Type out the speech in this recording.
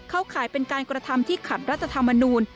ข่ายเป็นการกระทำที่ขัดรัฐธรรมนูล